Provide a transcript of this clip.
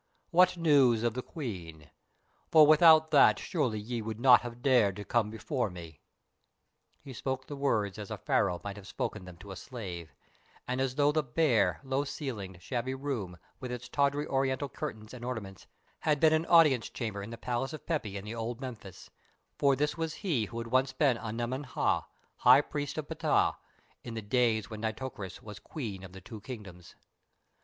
What news of the Queen? For without that surely ye would not have dared to come before me." He spoke the words as a Pharaoh might have spoken them to a slave, and as though the bare, low ceiled, shabby room, with its tawdry Oriental curtains and ornaments, had been an audience chamber in the palace of Pepi in old Memphis, for this was he who had once been Anemen Ha, High Priest of Ptah, in the days when Nitocris was Queen of the Two Kingdoms.